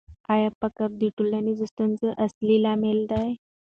آیا فقر د ټولنیزو ستونزو اصلي لامل دی؟